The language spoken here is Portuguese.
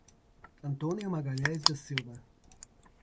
Antônio Magalhaes da Silva